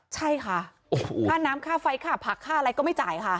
ใช่ค่ะค่าน้ำค่าไฟค่าผักค่าอะไรก็ไม่จ่ายค่ะ